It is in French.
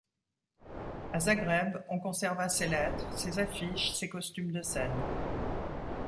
À Zagreb on conserva ses lettres, ses affiches, ses costumes de scène.